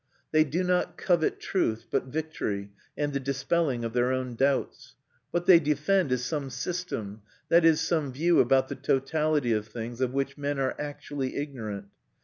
They do not covet truth, but victory and the dispelling of their own doubts. What they defend is some system, that is, some view about the totality of things, of which men are actually ignorant.